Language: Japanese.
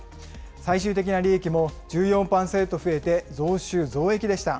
最終的な利益も１４％増えて増収増益でした。